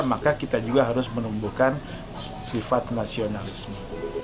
maka kita juga harus menumbuhkan sifat nasionalisme